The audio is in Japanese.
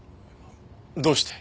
どうして？